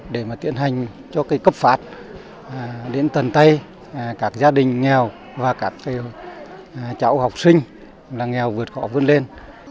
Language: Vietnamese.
để mà tiến hành cho cấp phạt đến tầng tây các gia đình nghèo và các cháu học sinh là nghèo vượt khỏi vươn lên